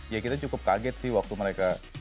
ya kita cukup kaget sih waktu mereka